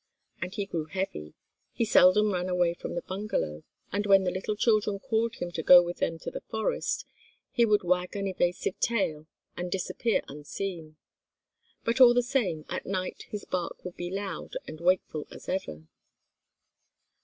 And he grew heavy: he seldom ran away from the bungalow, and when the little children called him to go with them to the forest, he would wag an evasive tail, and disappear unseen. But all the same at night his bark would be loud and wakeful as ever.